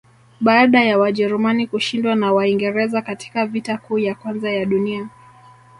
Baada ya Wajerumani kushindwa na Waingereza katika Vita Kuu ya Kwanza ya dunia